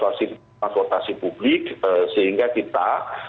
transportasi publik sehingga kita